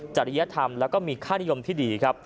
จริยธรรมและมีค่านิยมที่ดี